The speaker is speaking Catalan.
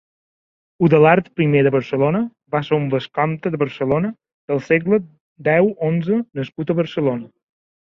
Udalard primer de Barcelona va ser un vescomte de Barcelona del segle deu-onze nascut a Barcelona.